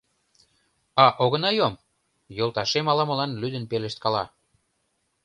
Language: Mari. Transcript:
— А огына йом? — йолташем ала-молан лӱдын пелешткала.